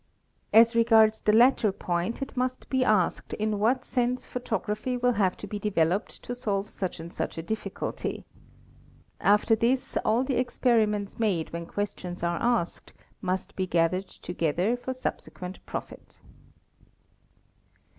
As regards the latter point it must be asked in what sense photography will have to be developed to solve such and such a difticulty. After this all the experiments made wh on questions are asked must be gathered together for subsequent profit.